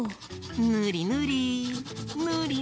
ぬりぬり！